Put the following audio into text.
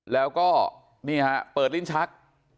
แล้วก็นี่ฮะเปิดลิ้นชัก